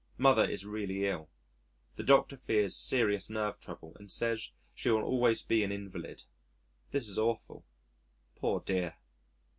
Mother is really ill. The Doctor fears serious nerve trouble and says she will always be an invalid. This is awful, poor dear!